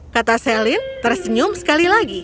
kata celine tersenyum sekali lagi